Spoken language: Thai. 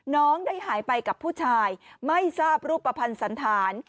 น้องได้หายไปกับผู้ชายไม่ทราบรูปภัณฑ์สันธาร